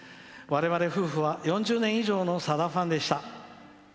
われわれ夫婦は４０年以上のさだファンでした。